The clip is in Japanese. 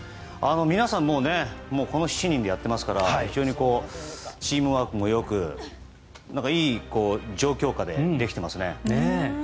皆さん、もうこの７人でやっていますから非常にチームワークもよくいい状況下でできていますね。